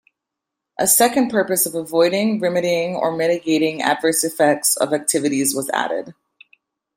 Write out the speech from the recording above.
A second purpose of avoiding, remedying or mitigating adverse effects of activities was added.